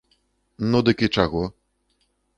Ну, дык і чаго?